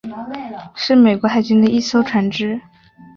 是美国海军的一艘船只。